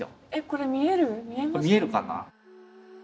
これ見えるかな？